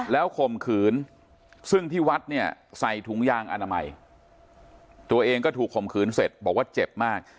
แล้วข่มขืนซึ่งที่วัดเนี่ยใส่ถุงยางอนามัยตัวเองก็ถูกข่มขืนเสร็จบอกว่าเจ็บมาก